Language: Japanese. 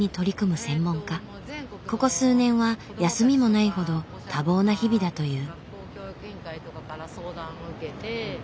ここ数年は休みもないほど多忙な日々だという。